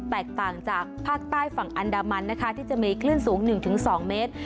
แตกต่างจากภาคใต้ฝั่งอันดามันนะคะที่จะมีคลื่นสูง๑๒เมตร